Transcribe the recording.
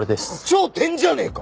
超点じゃねえか！